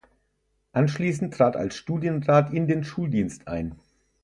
Anschließend trat als Studienrat in den Schuldienst ein.